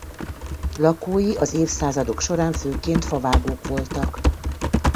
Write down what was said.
Lakói az évszázadok során főként favágók voltak.